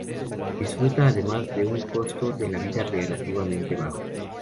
Disfruta, además, de un costo de la vida relativamente bajo.